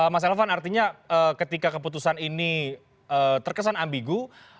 mas elvan artinya ketika keputusan ini terkesan ambigu